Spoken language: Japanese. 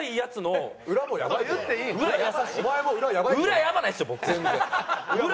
裏やばいっすよ。